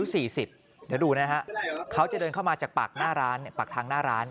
เดี๋ยวดูนะครับเขาจะเดินเข้ามาจากปากทางหน้าร้าน